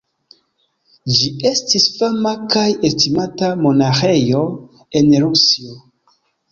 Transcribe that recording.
Ĝi estis fama kaj estimata monaĥejo en Rusio.